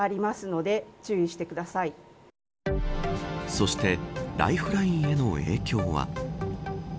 そしてライフラインへの影響は。